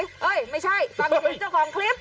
เอ้ยไม่ใช่ฟังเสียงเจ้าของคลิป